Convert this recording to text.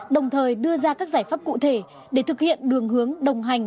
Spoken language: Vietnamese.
đồng thời đưa ra các giải pháp cụ thể để thực hiện đường hướng đồng hành